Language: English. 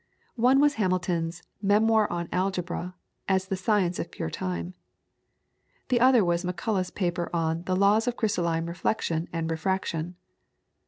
One was Hamilton's "Memoir on Algebra, as the Science of Pure Time." The other was Macullagh's paper on the "Laws of Crystalline Reflection and Refraction."